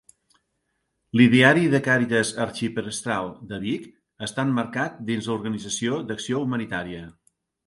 L’ideari de Càritas Arxiprestal de Vic està emmarcat dins l’Organització d'acció humanitària: